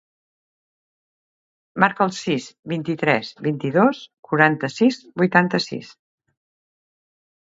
Marca el sis, vint-i-tres, vint-i-dos, quaranta-sis, vuitanta-sis.